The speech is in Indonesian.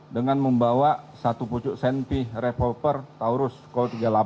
dengan membawa satu pucuk sentih revolper taurus kol tiga puluh delapan